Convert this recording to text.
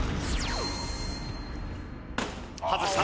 外した。